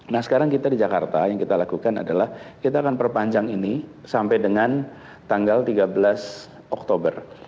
nah sekarang kita di jakarta yang kita lakukan adalah kita akan perpanjang ini sampai dengan tanggal tiga belas oktober